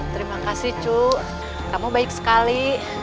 terima kasih cuk kamu baik sekali